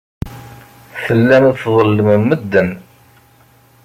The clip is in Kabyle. Tellam tḍellmem medden.